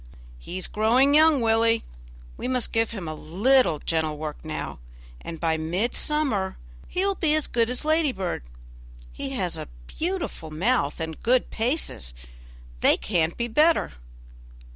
"He's growing young, Willie; we must give him a little gentle work now, and by mid summer he will be as good as Ladybird. He has a beautiful mouth and good paces; they can't be better."